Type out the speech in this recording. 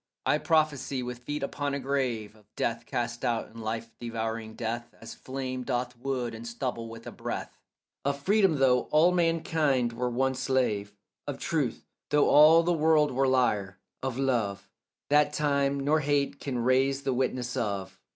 I prophesy, with feet upon a grave, Of death cast out and life devouring death As flame doth wood and stubble with a breath; Of freedom, though all manhood were one slave; Of truth, though all the world were liar; of love, That time nor hate can raze the witness of.